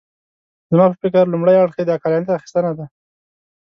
زما په فکر لومړی اړخ یې د عقلانیت اخیستنه ده.